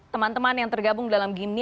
teman teman yang tergabung dalam gimni